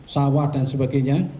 sawah dan sebagainya